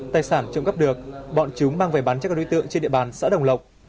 tài sản trộm cắp được bọn chúng mang về bán cho các đối tượng trên địa bàn xã đồng lộc